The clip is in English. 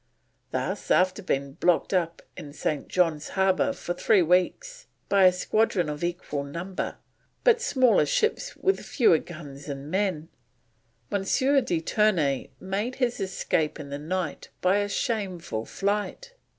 Thus after being blocked up in St. John's Harbour for three weeks by a squadron of equal number, but smaller ships with fewer guns and men, M. de Ternay made his escape in the night by a shameful flight.